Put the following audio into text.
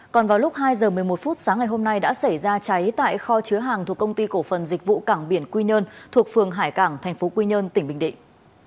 còn vào lúc hai giờ một mươi một phút sáng ngày hôm nay đã xảy ra cháy tại kho chứa hàng thuộc công ty cổ phần dịch vụ cảng biển quy nhơn thuộc phường hải cảng tp quy nhơn tỉnh bình định